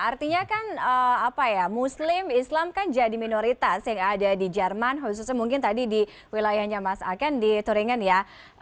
artinya kan apa ya muslim islam kan jadi minoritas yang ada di jerman khususnya mungkin tadi di wilayahnya mas aken di turingen ya